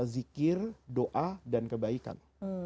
zikir doa dan kebaikan